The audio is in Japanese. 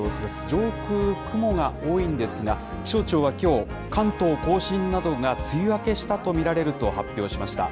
上空雲が多いんですが、気象庁はきょう、関東甲信などが梅雨明けしたと見られると発表しました。